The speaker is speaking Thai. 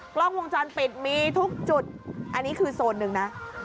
กล้องวงจรปิดมีทุกจุดอันนี้คือโซนหนึ่งนะ